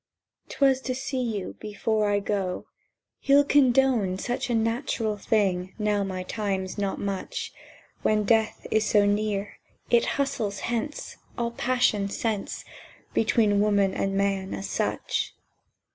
"'Twas to see you before I go—he'll condone Such a natural thing now my time's not much— When Death is so near it hustles hence All passioned sense Between woman and man as such!